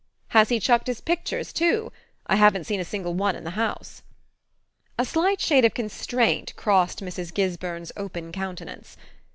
"Has he chucked his pictures too? I haven't seen a single one in the house." A slight shade of constraint crossed Mrs. Gisburn's open countenance.